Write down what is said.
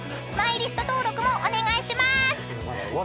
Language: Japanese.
［マイリスト登録もお願いしまーす］